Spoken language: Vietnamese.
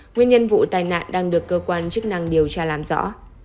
nguyên nhân vụ tai nạn đang được cơ quan chức năng điều tra làm rõ